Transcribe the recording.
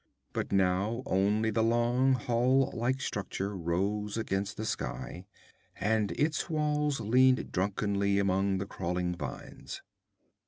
But now only the long hall like structure rose against the sky, and its walls leaned drunkenly among the crawling vines.